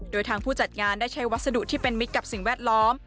โดยทางผู้จัดงานได้ใช้วัสดุที่เป็นมิตรกับสิ่งแวดล้อม